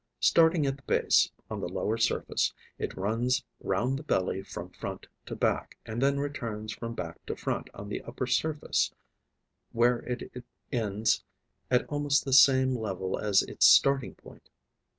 Starting at the base, on the lower surface, it runs round the belly from front to back and then returns from back to front on the upper surface, where it ends at almost the same level as its starting point.